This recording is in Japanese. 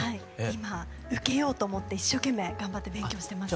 今受けようと思って一生懸命頑張って勉強してます。